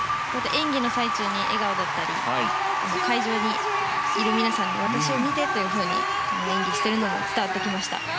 演技の最中の笑顔だったり会場にいる皆さんに私を見て！というふうに演技しているのが伝わってきました。